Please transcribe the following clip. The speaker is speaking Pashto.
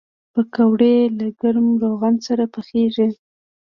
پکورې له ګرم روغن سره پخېږي